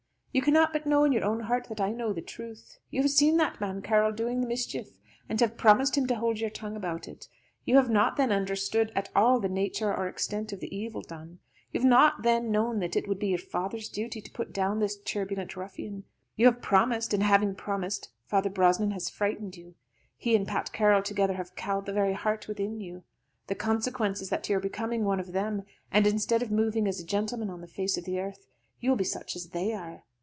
You cannot but know in your own heart that I know the truth. You have seen that man Carroll doing the mischief, and have promised him to hold your tongue about it. You have not, then, understood at all the nature or extent of the evil done. You have not, then, known that it would be your father's duty to put down this turbulent ruffian. You have promised, and having promised, Father Brosnan has frightened you. He and Pat Carroll together have cowed the very heart within you. The consequence is that you are becoming one of them, and instead of moving as a gentleman on the face of the earth, you will be such as they are.